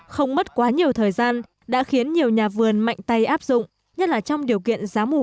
không mất quá nhiều thời gian đã khiến nhiều nhà vườn mạnh tay áp dụng nhất là trong điều kiện giá mù